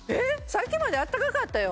さっきまで温かかったよ